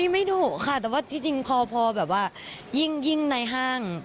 ไม่ดุค่ะแต่ว่าจริงพอแบบว่ายิ่งในห้าง